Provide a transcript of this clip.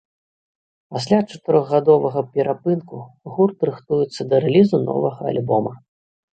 Пасля чатырохгадовага перапынку гурт рыхтуецца да рэлізу новага альбома.